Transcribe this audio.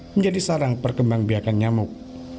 menjadi sarang perkembang biakan nyamuk